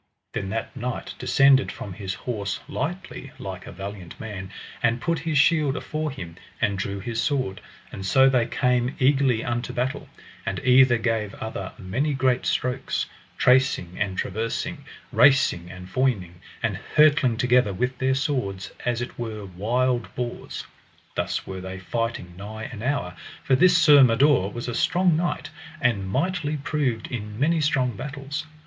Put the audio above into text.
Then that knight descended from his horse lightly like a valiant man, and put his shield afore him and drew his sword; and so they came eagerly unto battle, and either gave other many great strokes, tracing and traversing, racing and foining, and hurtling together with their swords as it were wild boars. Thus were they fighting nigh an hour, for this Sir Mador was a strong knight, and mightily proved in many strong battles.